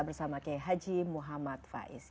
bersama ke haji muhammad faiz